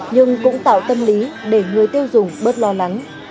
nhưng cũng tạo tâm lý để người tiêu dùng bớt lo lắng